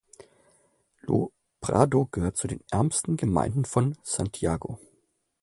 Lo Prado gehört zu den ärmsten Gemeinden von Santiago.